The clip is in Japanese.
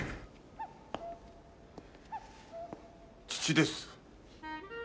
父です。